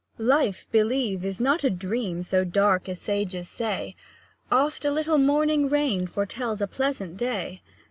Life, believe, is not a dream So dark as sages say; Oft a little morning rain Foretells a pleasant day.